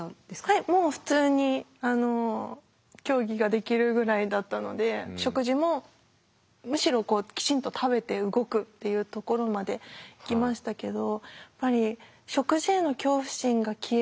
はいもう普通に競技ができるぐらいだったので食事もむしろきちんと食べて動くっていうところまでいきましたけど